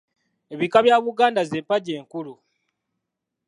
Ebika bya Buganda z’empagi enkulu.